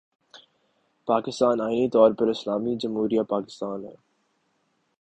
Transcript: پاکستان آئینی طور پر 'اسلامی جمہوریہ پاکستان‘ ہے۔